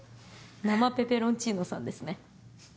生ペペロンチーノさんですね。